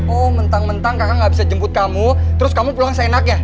oh mentang mentang kakak gak bisa jemput kamu terus kamu pulang seenaknya